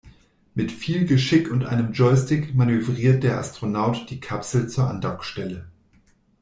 Mit viel Geschick und einem Joystick manövriert der Astronaut die Kapsel zur Andockstelle.